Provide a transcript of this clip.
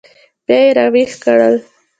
بیا یې راویښ کړل.